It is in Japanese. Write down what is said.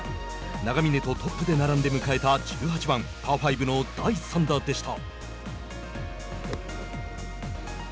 永峰とトップで並んで迎えた１８番パー５の第３打でした。